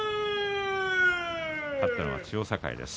勝ったのは千代栄です。